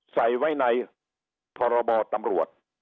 ใส่ไว้ในพรบตำรวจ